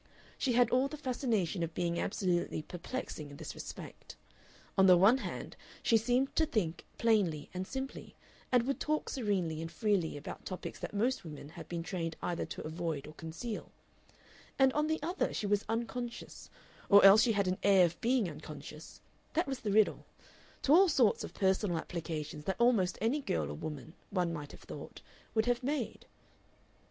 She had all the fascination of being absolutely perplexing in this respect. On the one hand, she seemed to think plainly and simply, and would talk serenely and freely about topics that most women have been trained either to avoid or conceal; and on the other she was unconscious, or else she had an air of being unconscious that was the riddle to all sorts of personal applications that almost any girl or woman, one might have thought, would have made.